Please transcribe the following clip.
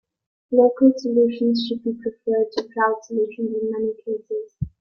Local solutions should be preferred to cloud solutions in many cases.